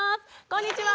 こんにちは。